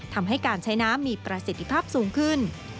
ทำให้การใช้น้ำมีประสิทธิภาพสูงขึ้น